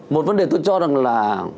một vấn đề tôi cho rằng là